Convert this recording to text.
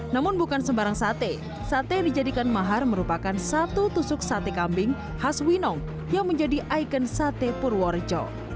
namun bukan sembarang sate sate yang dijadikan mahar merupakan satu tusuk sate kambing khas winong yang menjadi ikon sate purworejo